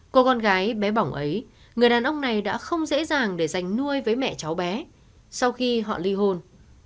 cô con gái bé bỏng ấy người đàn ông này đã không dễ dàng để giành nuôi với mẹ cháu bé sau khi họ ly hôn